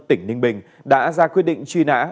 tỉnh ninh bình đã ra quyết định truy nã